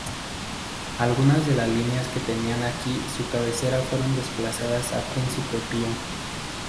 Algunas de las líneas que tenían aquí su cabecera fueron desplazadas a Príncipe Pío.